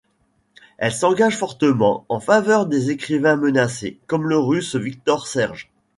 Elle s’engage fortement en faveur des écrivains menacés, comme le Russe Victor Serge.